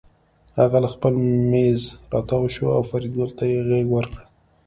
هغه له خپل مېز راتاو شو او فریدګل ته یې غېږ ورکړه